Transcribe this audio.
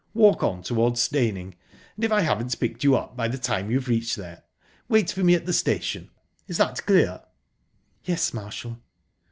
Walk on towards Steyning, and, if I haven't picked you up by the time you have reached there, wait for me at the station. Is that clear?" "Yes, Marshall."